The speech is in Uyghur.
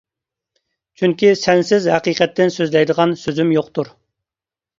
چۈنكى سەنسىز ھەقىقەتتىن سۆزلەيدىغان سۆزۈم يوقتۇر.